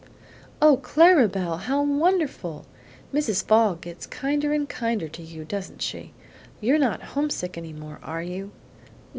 "Oh, Clara Belle, how wonderful! Mrs. Fogg gets kinder and kinder to you, doesn't she? You're not homesick any more, are you?"